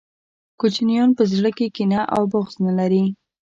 کوچنیان په زړه کي کینه او بغض نلري